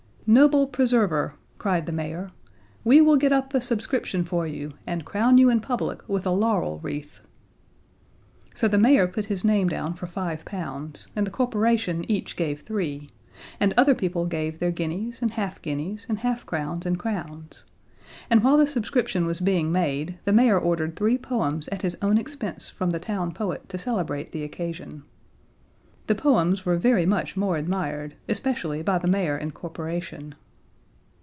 "Noble preserver," cried the mayor, "we will get up a subscription for you, and crown you in public with a laurel wreath." So the mayor put his name down for five pounds, and the corporation each gave three, and other people gave their guineas and half guineas and half crowns and crowns, and while the subscription was being made the mayor ordered three poems at his own expense from the town poet to celebrate the occasion. The poems were very much more admired, especially by the mayor and corporation.